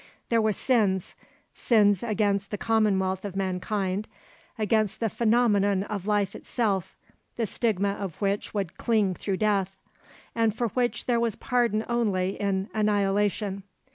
There were sins, sins against the commonwealth of mankind, against the phenomenon of life itself, the stigma of which would cling through death, and for which there was pardon only in annihilation.